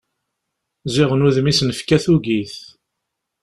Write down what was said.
Ziɣen udem i s-nefka tugi-t.